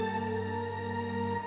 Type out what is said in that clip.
terima kasih bang